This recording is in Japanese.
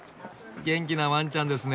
元気なワンちゃんですね。